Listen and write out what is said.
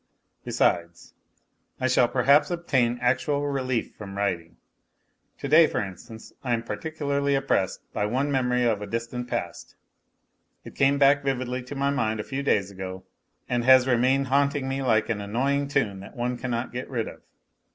Besides, I shall perhaps obtain NOTES FROM UNDERGROUND 81 actual relief from writing. To day, for instance, I am particularly oppressed by one memory of a distant past. It came back vividly to my mind a few days ago, and has remained haunting me like an annoying tune that one cannot get rid of.